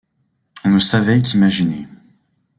On ne savait qu’imaginer.